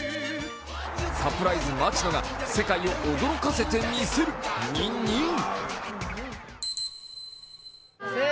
サプライズ町野が世界を驚かせてみせる、ニンニン。